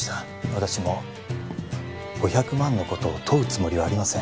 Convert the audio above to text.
私も５００万のことを問うつもりはありません